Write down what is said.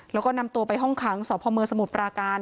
แล้วก็นำตัวไปห้องขังสพเมืองสมุทรปราการ